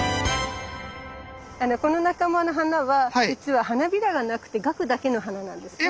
この仲間の花はじつは花びらがなくて萼だけの花なんですね。